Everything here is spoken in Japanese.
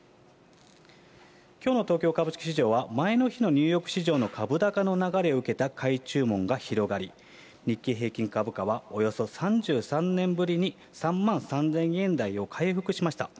きょうの東京株式市場は、前の日のニューヨーク市場の株高の流れを受けた買い注文が広がり、日経平均株価はおよそ３３年ぶりに、３万３０００円台を回復しました。